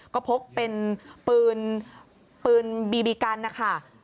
ก็พบเป็นปืนปืนบีบีกันนะคะ